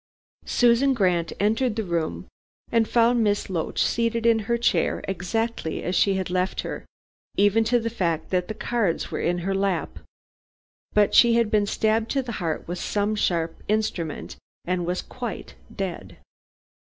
Susan Grant entered the room, and found Miss Loach seated in her chair exactly as she had left her, even to the fact that the cards were in her lap. But she had been stabbed to the heart with some sharp instrument and was quite dead.